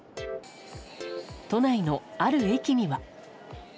都内のある駅には。